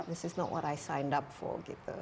ini bukan yang saya tanda